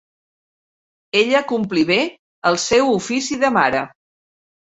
Ella complí bé el seu ofici de mare.